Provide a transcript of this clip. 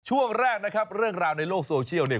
ช่วงแรกนะครับเรื่องราวในโลกโซเชียลเนี่ย